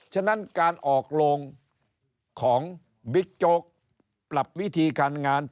ฉะนั้นการออกโลงของบิ๊กโจ๊กปรับวิธีการงาน